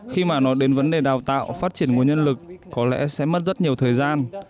khi mà nói đến vấn đề đào tạo phát triển nguồn nhân lực có lẽ sẽ mất rất nhiều thời gian